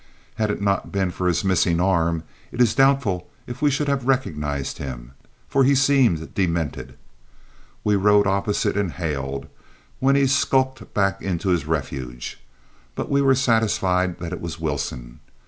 Had it not been for his missing arm it is doubtful if we should have recognized him, for he seemed demented. We rode opposite and hailed, when he skulked back into his refuge; but we were satisfied that it was Wilson.